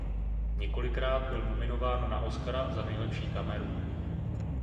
Několikrát byl nominován na Oscara za nejlepší kameru.